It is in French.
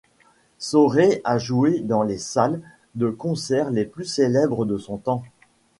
Sauret a joué dans les salles de concert les plus célèbres de son temps.